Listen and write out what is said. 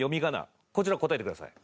こちら答えてください。